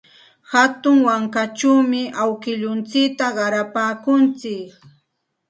Hatun wankachawmi awkilluntsikta qarapaakuntsik.